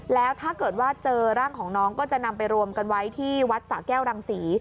แล้วถ้าเกิดว่าเจอร่างของน้องก็จะนำไปรวมกันไว้ที่วัดสะแก้วรังศรี